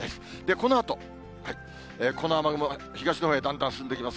このあと、この雨雲、東のほうへだんだん進んでいきます。